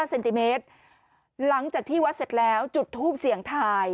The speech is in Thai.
เซนติเมตรหลังจากที่วัดเสร็จแล้วจุดทูปเสี่ยงทาย